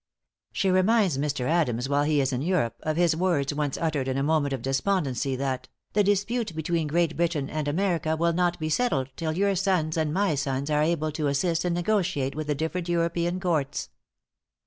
She reminds Mr. Adams while he is in Europe, of his words once uttered in a moment of despondency, that "the dispute between Great Britain and America will not be settled till your sons and my sons are able to assist and negotiate with the different European courts."